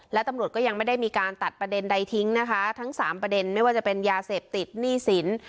และตำรวจก็ยังไม่ได้มีการตัดประเด็นใดทิ้งนะคะทั้งสามประเด็นไม่ว่าจะเป็นยาเสพติดหนี้สิน